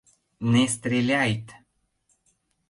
— Нэ стреляйт!